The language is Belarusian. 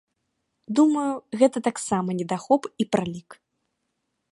Думаю, гэта таксама недахоп і пралік.